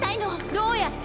どうやって？